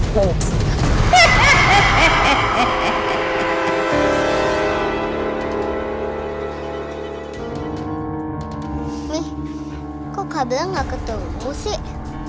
kok kabel nggak ketemu sih